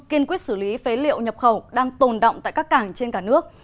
kiên quyết xử lý phế liệu nhập khẩu đang tồn động tại các cảng trên cả nước